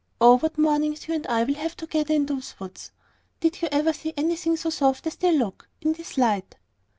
Oh, what mornings you and I will have together in those woods! Did you ever see anything so soft as they look in this light?"